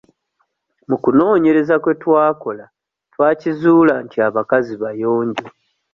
Mu kunoonyereza kwe twakola twakizuula nti abakazi bayonjo.